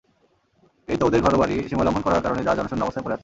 এই তো ওদের ঘরবাড়ি — সীমালংঘন করার কারণে যা জনশূন্য অবস্থায় পড়ে আছে।